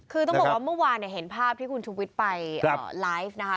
คือต้องบอกว่าเมื่อวานเห็นภาพที่คุณชุวิตไปไลฟ์นะคะ